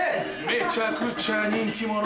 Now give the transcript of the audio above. めちゃくちゃ人気者